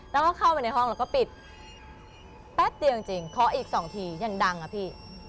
แล้วก็เข้าไปในห้องแล้วก็ปิดแป๊บเดียวจริงเคาะอีกสองทียังดังอะพี่